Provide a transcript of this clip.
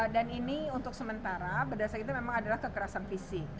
dan ini untuk sementara berdasar itu memang adalah kekerasan visi